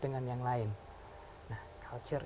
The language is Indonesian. dengan yang lain nah culture